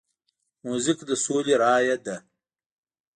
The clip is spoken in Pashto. موزیک د سولې رایه ده.